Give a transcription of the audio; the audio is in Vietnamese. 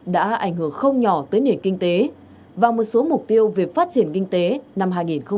đã ảnh hưởng không nhỏ tới nền kinh tế và một số mục tiêu về phát triển kinh tế năm hai nghìn hai mươi